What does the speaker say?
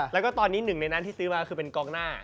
แล้วก็ตอนนี้หนึ่งในนั้นที่ซื้อมาคือเป็นกองหน้า